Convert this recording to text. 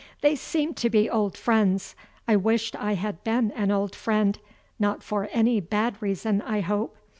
They seemed to be old friends. I wished I had been an old friend not for any bad reason, I hope.